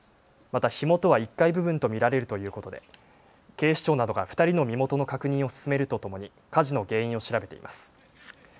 また火元は１階部分と見られるということで警視庁などが２人の身元の確認を進めるとともに火事の原因を調べています。